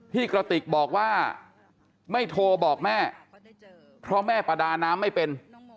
กระติกบอกว่าไม่โทรบอกแม่เพราะแม่ประดาน้ำไม่เป็น